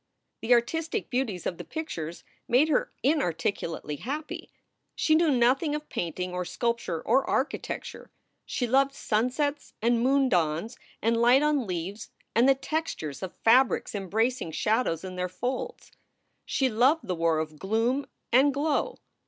The artistic beauties of the pictures made her inarticu lately happy. She knew nothing of painting or sculpture or architecture. She loved sunsets and moon dawns and light on leaves and the textures of fabrics embracing shad ows in their folds. She loved the war of gloom and glow.